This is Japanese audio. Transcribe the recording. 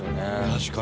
確かに。